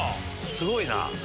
すごいな。